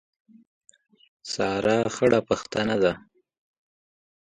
سارا خړه پښتنه ده.